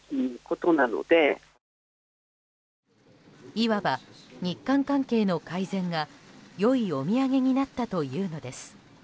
いわば、日韓関係の改善が良いお土産になったというのです。